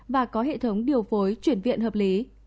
và có hệ thống điều phối chuyển viện hợp lý